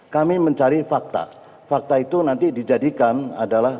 kami mencari fakta fakta itu nanti dijadikan adalah